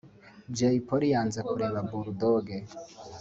Jay Polly yanze kureba Bull Dogg